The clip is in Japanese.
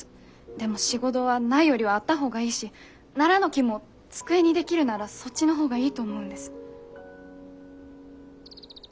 でも仕事はないよりはあった方がいいしナラの木も机に出来るならそっちの方がいいと思うんです。